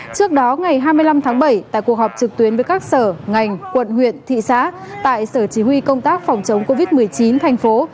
trước đó ngày hai mươi năm tháng bảy tại cuộc họp trực tuyến với các sở ngành quận huyện thị xã tại sở chỉ huy công tác phòng chống covid một mươi chín thành phố